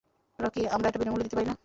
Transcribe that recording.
Rocky, আমরা এটা বিনামূল্যে দিতে পারি না।